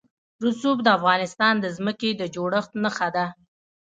رسوب د افغانستان د ځمکې د جوړښت نښه ده.